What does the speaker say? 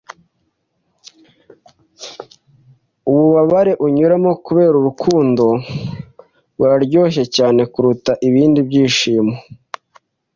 Ububabare unyuramo kubera urukundo buraryoshye cyane kuruta ibindi byishimo